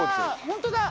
本当だ！